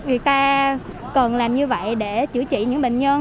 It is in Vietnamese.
người ta cần làm như vậy để chữa trị những bệnh nhân